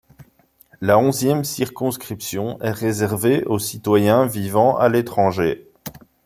La onzième circonscription est réservée aux citoyens vivant à l'étranger.